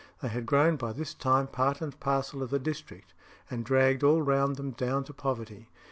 They had grown by this time part and parcel of the district, and dragged all round them down to poverty.